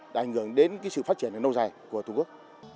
đã ảnh hưởng đến sự phát triển nâu dài của tổ quốc